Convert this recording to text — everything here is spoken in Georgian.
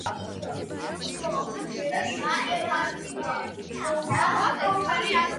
ქალაქი მდებარეობს ნიუფაუნდლენდი და ლაბრადორის შტატში.